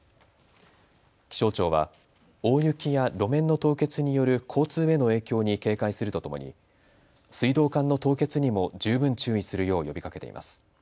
気象庁は大雪や路面の凍結による交通への影響に警戒するとともに水道管の凍結にも十分注意するよう呼びかけています。